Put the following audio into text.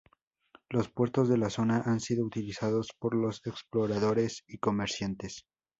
Los puertos de la zona han sido utilizados por los exploradores y comerciantes.